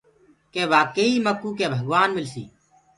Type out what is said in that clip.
ڪي واڪي ئي مڪوُ ڪي ڀگوآن مِلسي۔